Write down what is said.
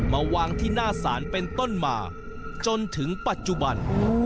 มาวางที่หน้าศาลเป็นต้นมาจนถึงปัจจุบัน